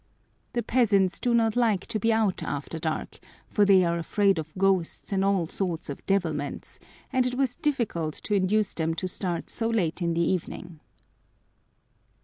The peasants do not like to be out after dark, for they are afraid of ghosts and all sorts of devilments, and it was difficult to induce them to start so late in the evening.